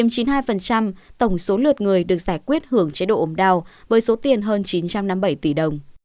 chiếm chín mươi hai tổng số lượt người được giải quyết hưởng chế độ ốm đau với số tiền hơn chín trăm năm mươi bảy tỷ đồng